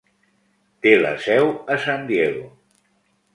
Té la seu a San Diego.